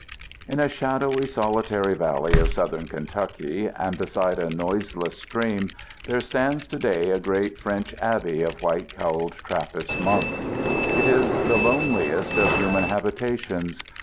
I. In a shadowy solitary valley of Southern Kentucky and beside a noiseless stream there stands to day a great French abbey of white cowled Trappist monks. It is the loneliest of human habitations.